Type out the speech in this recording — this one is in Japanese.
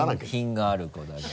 品がある子だけど。